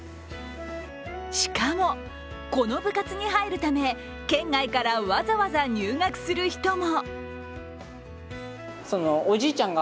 しかも、この部活に入るため、県外からわざわざ入学する人も。